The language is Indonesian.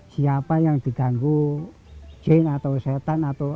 siapa yang diganggu jin atau setan atau apa aja itu tawar